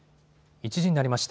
１時になりました。